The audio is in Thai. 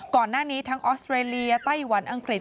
ก่อนหน้านี้ทั้งออสเตรเลียไต้หวันอังกฤษ